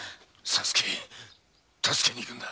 左助を助けに行くんだ。